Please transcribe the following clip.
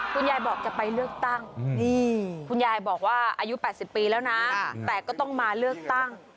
คุณยายบอกจะไปเลือกตั้งนี่คุณยายบอกว่าอายุ๘๐ปีแล้วนะแต่ก็ต้องมาเลือกตั้ง